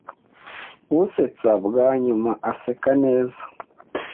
Usetsa bwa nyuma aseka neza.